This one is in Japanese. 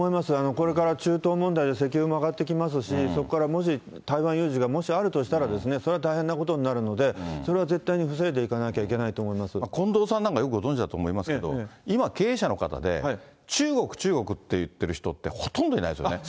これから中東問題で石油も上がってきますし、そこからもし、台湾有事がもしあるとしたら、それは大変なことになるので、それは絶対に防いでいかなきゃいけ近藤さんなんか、よくご存じだと思いますけど、今、経営者の方で、中国、中国って言ってる人って、ほとんどいないですよね。